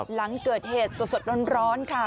หลังเกิดเหตุสดร้อนค่ะ